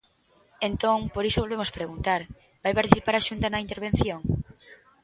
Entón, por iso volvemos preguntar: ¿vai participar a Xunta na intervención?